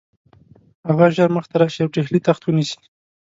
هغه ژر مخته راشي او د ډهلي تخت ونیسي.